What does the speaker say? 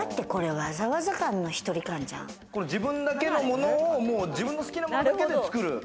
自分だけのものを自分の好きなものだけを作る。